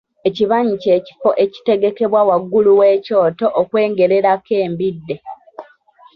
Ekibanyi ky’ekifo ekitegekebwa waggulu w’ekyoto okwengererako embidde.